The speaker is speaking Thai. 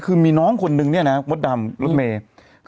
คือมีน้องคนหนึ่งมดดำรถเมฆ